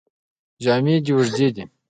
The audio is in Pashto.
جامې دې اوږدې دي.